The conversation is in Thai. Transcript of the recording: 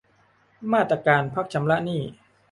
มาตรการพักชำระหนี้